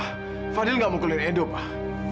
ah fadil gak mukulin edo pak